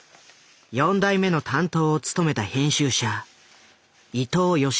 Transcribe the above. ４代目の担当を務めた編集者伊藤嘉彦。